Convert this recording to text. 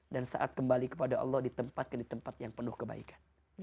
dan saat kembali kepada allah di tempat yang penuh kebaikan